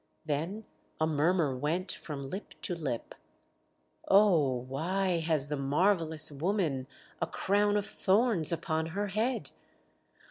Then a murmur went from lip to lip. "Oh, why has the marvellous woman a crown of thorns upon her head?